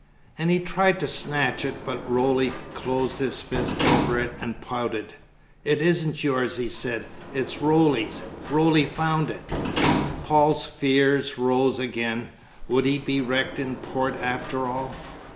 And he tried to snatch it, but Roly closed his fist over it and pouted, "It isn't yours," he said, "it's Roly's. Roly found it." Paul's fears rose again; would he be wrecked in port after all?